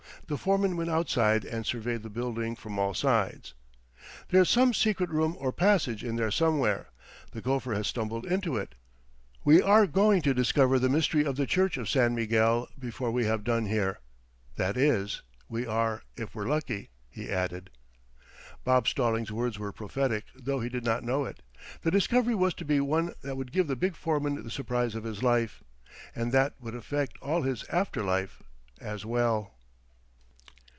The foreman went outside and surveyed the building from all sides. "There's some secret room or passage in there somewhere. The gopher has stumbled into it. We are going to discover the mystery of the church of San Miguel before we have done here that is, we are if we're lucky," he added. Bob Stallings' words were prophetic, though he did not know it. The discovery was to be one that would give the big foreman the surprise of his life, and that would affect all his after life as well.